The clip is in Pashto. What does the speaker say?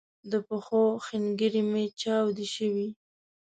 د پښو ښنګري می چاودی شوي